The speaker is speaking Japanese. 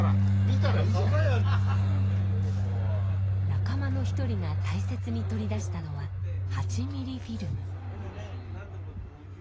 仲間の一人が大切に取り出したのは８ミリフィルム。